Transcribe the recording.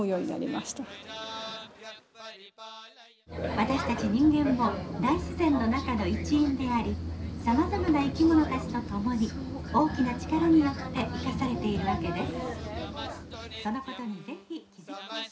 私たち人間も大自然の中の一員でありさまざまな生き物たちと共に大きな力によって生かされているわけです。